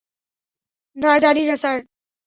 না, জানি না, স্যার।